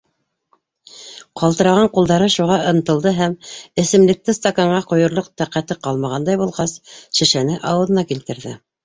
Ҡалтыраған ҡулдары шуға ынтылды һәм, эсемлекте стаканға ҡойорлоҡ тәҡәте ҡалмағандай булғас, шешәне ауыҙына килтерҙе.